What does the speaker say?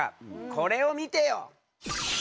これを見てよ。